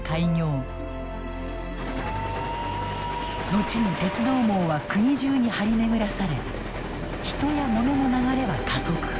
後に鉄道網は国中に張り巡らされ人やモノの流れは加速。